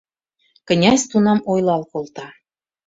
Князь тунам ойлал колта: